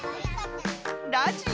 ラジオ。